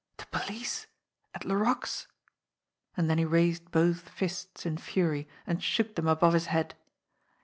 "The police at La roque's!" And then he raised both fists in fury and shook them above his head.